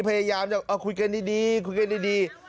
พยายามจะคุยกันดี